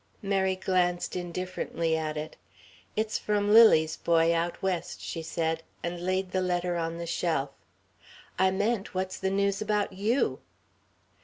Mary glanced indifferently at it. "It's from Lily's boy, out West," she said, and laid the letter on the shelf. "I meant, what's the news about you?"